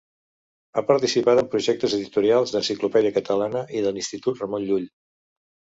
Ha participat en projectes editorials d’Enciclopèdia Catalana i de l’Institut Ramon Llull.